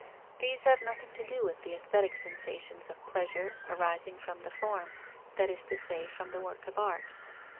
These have nothing to do with the aesthetic sensations of pleasure arising from the form, that is to say from the work of art.